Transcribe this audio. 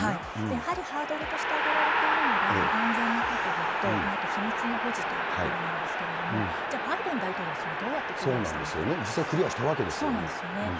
やっぱりハードルとして挙げられているのが、安全の確保と、あと秘密の保持というところなんですけれども、じゃあ、バイデン大統領はそれをどうクリアしたの実際、クリアしたわけですよそうなんですよね。